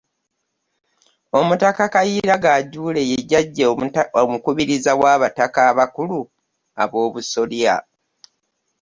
Omutaka Kayiira Gajuule ye jjajja omukubiriza w'abataka abakulu ab'obusolya